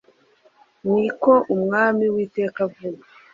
Ni ko Umwami Uwiteka avuga .